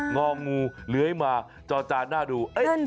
องูเลื้อยมาจอจานหน้าดู